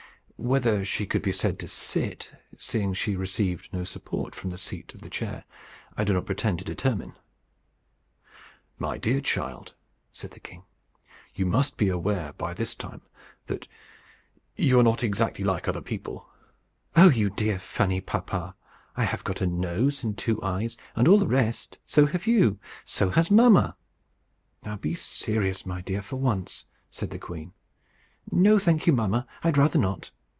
Whether she could be said to sit, seeing she received no support from the seat of the chair, I do not pretend to determine. "My dear child," said the king, "you must be aware by this time that you are not exactly like other people." "Oh, you dear funny papa! I have got a nose, and two eyes, and all the rest. So have you. So has mamma." "Now be serious, my dear, for once," said the queen. "No, thank you, mamma; I had rather not."